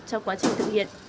trong quá trình thực hiện